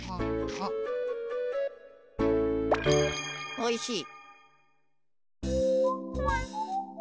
おいしい。